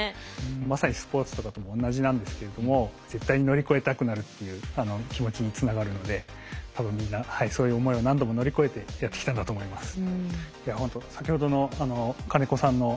まさにスポーツとかとも同じなんですけれども絶対に乗り越えたくなるっていう気持ちにつながるので多分みんなそういう思いを何度も乗り越えてやってきたんだと思います。